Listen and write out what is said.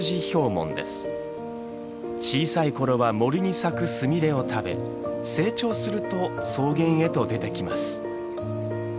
小さい頃は森に咲くスミレを食べ成長すると草原へと出てきます。